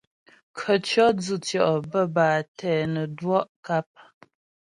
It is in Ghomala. Khətʉɔ̌ dzʉtʉɔ' bə́́ bâ tɛ nə́ dwɔ' kap.